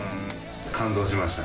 感動しました。